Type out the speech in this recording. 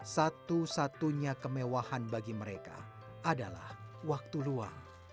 satu satunya kemewahan bagi mereka adalah waktu luang